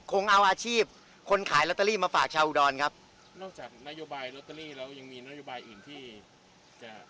คงเอาอาชีพคนขายลอตเตอรี่มาฝากชาวอุดรครับนอกจากนโยบายลอตเตอรี่แล้วยังมีนโยบายอื่นที่จะ